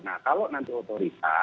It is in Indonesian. nah kalau nanti otorita